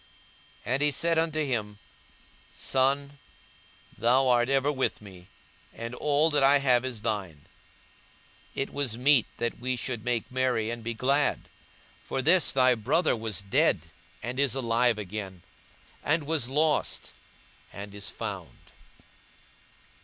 42:015:031 And he said unto him, Son, thou art ever with me, and all that I have is thine. 42:015:032 It was meet that we should make merry, and be glad: for this thy brother was dead, and is alive again; and was lost, and is found.